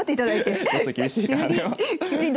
ちょっと厳しいかなでも。